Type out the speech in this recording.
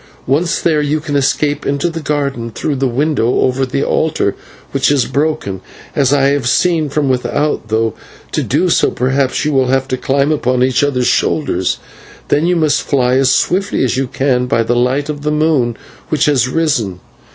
Once there, you can escape into the garden through the window over the altar, which is broken, as I have seen from without, though to do so, perhaps, you will have to climb upon each other's shoulders. Then you must fly as swiftly as you can by the light of the moon, which has risen.